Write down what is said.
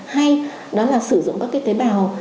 hay đó là sử dụng các cái tế bào